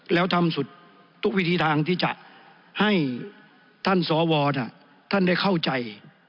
แล้วทำสุดทุกวิธีทางที่จะให้ท่านสวท่านได้เข้าใจ